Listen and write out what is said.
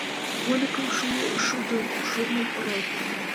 Вольыкым, шудым, у шурным, оралтым